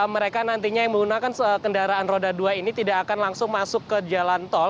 mereka nantinya yang menggunakan kendaraan roda dua ini tidak akan langsung masuk ke jalan tol